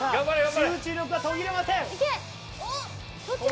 集中力が途切れません。